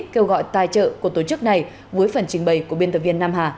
kêu gọi tài trợ của tổ chức này với phần trình bày của biên tập viên nam hà